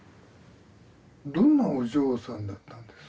どんなお嬢さんだったんです？